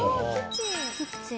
キッチン。